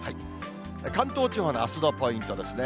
関東地方のあすのポイントですね。